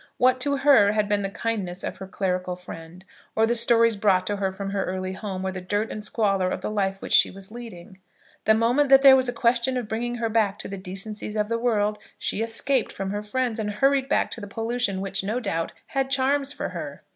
What to her had been the kindness of her clerical friend, or the stories brought to her from her early home, or the dirt and squalor of the life which she was leading? The moment that there was a question of bringing her back to the decencies of the world, she escaped from her friends and hurried back to the pollution which, no doubt, had charms for her.